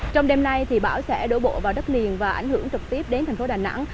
trong đêm nay thì bão sẽ đổ bộ vào đất liền và ảnh hưởng trực tiếp đến thành phố đà nẵng